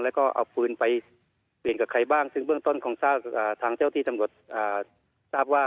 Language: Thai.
แล้วก็เอาปืนไปเปลี่ยนกับใครบ้างซึ่งเบื้องต้นคงทราบทางเจ้าที่ตำรวจทราบว่า